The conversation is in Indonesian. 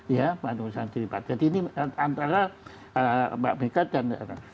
ya ini antara mbak mega dan